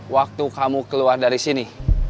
waktu kamu keluar dari sini